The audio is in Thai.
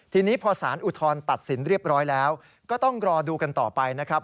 ทีนี้พอสารอุทธรณ์ตัดสินเรียบร้อยแล้วก็ต้องรอดูกันต่อไปนะครับ